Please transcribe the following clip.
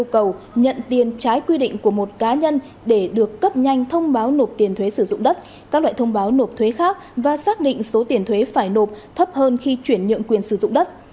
quá trình điều tra xác định trong khi thực hiện nhiệm vụ trần thị tố uyên đã yêu cầu nhận tiền trái quy định của một cá nhân để được cấp nhanh thông báo nộp tiền thuế sử dụng đất các loại thông báo nộp thuế khác và xác định số tiền thuế phải nộp thấp hơn khi chuyển nhượng quyền sử dụng đất